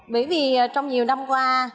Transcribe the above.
bởi vì trong nhiều năm qua